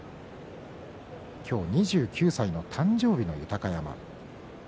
今日２９歳の誕生日の豊山。